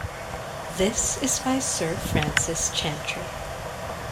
This is by Sir Francis Chantrey.